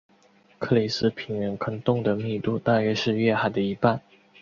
克里斯平原坑洞的密度大约是月海的一半。